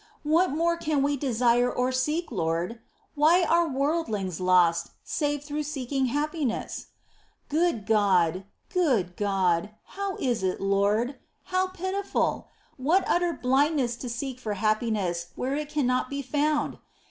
■* What more can we desire or seek, Lord ? Why are worldlings lost, save through seeking happiness ? 3. Good God ! Good God ! How is it. Lord ? How pitiful ! What utter blindness to seek for happiness where it cannot be found.